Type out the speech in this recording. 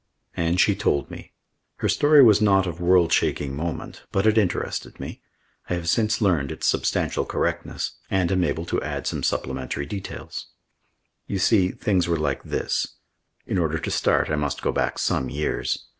And she told me. Her story was not of world shaking moment, but it interested me. I have since learned its substantial correctness and am able to add some supplementary details. You see, things were like this.... In order to start I must go back some years....